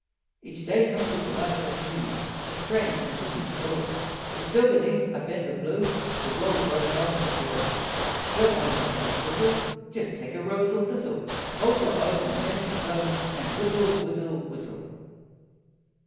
Each day comes with a life that's new, A strange, continued story But still beneath a bend o' blue The world rolls on to glory. Don't mind how troubles bristle, Jest take a rose or thistle. Hold your own An' change your tone An' whistle, whistle, whistle!